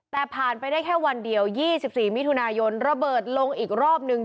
แต่ผ่านไปได้แค่วันเดียว๒๔มิถุนายนระเบิดลงอีกรอบนึง